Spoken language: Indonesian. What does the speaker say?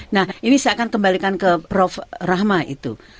nah ini saya akan kembalikan ke prof rahma itu